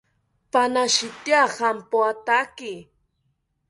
Panashitya jampoathaki